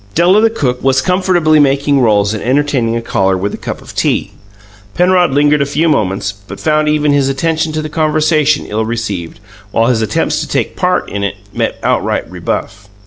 Della, the cook, was comfortably making rolls and entertaining a caller with a cup of tea. Penrod lingered a few moments, but found even his attention to the conversation ill received, while his attempts to take part in it met outright rebuff.